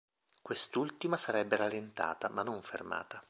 Quest'ultima sarebbe rallentata, ma non fermata.